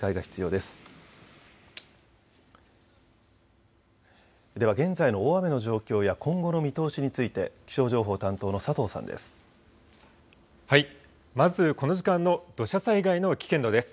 では現在の大雨の状況や今後の見通しについて気象情報担当の佐藤さんです。